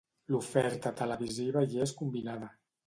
L'oferta televisiva hi és combinada.